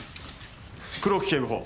黒木警部補。